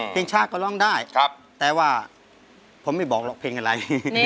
ช้าก็ร้องได้แต่ว่าผมไม่บอกหรอกเพลงอะไร